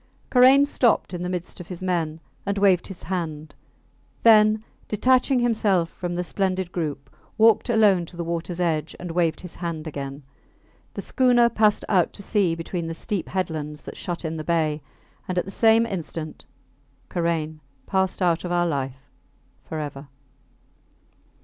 Karain stopped in the midst of his men and waved his hand; then, detaching himself from the splendid group, walked alone to the waters edge and waved his hand again. The schooner passed out to sea between the steep headlands that shut in the bay, and at the same instant Karain passed out of our life forever.